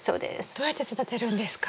どうやって育てるんですか？